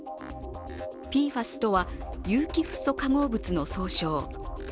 ＰＦＡＳとは有機フッ素化合物の総称。